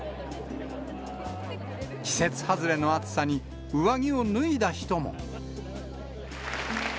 季節外れの暑さに、上着を脱いだ人も。